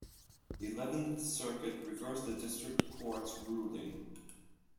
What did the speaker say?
The Eleventh Circuit reversed the district court's ruling.